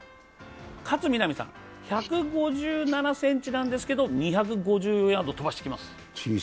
勝みなみさんは１５７ｃｍなんですけど２５４ヤード飛ばしてきます。